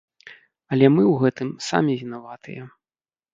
Але мы ў гэтым самі вінаватыя.